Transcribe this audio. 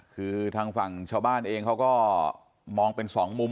คือทางฝั่งชาวบ้านเองเขาก็มองเป็นสองมุม